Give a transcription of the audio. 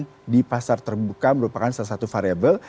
pertama investasi dan perdagangan di pasar terbuka merupakan salah satu variable